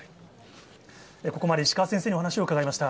ここまで石川先生にお話を伺いました。